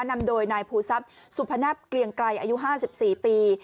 นำโดยนายภูทรัพย์สุพนับเกลียงไกรอายุ๕๔ปี